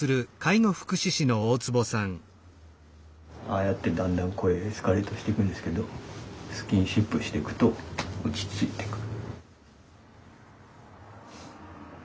ああやってだんだん声エスカレートしていくんですけどスキンシップしていくと落ち着いてくる。